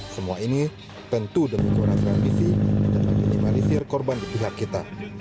semua ini tentu demi kuat raksasa ambisi dan minimalisir korban di pihak kita